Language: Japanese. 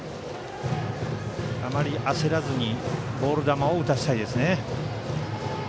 あまり焦らずにボール球を打たせたいですね。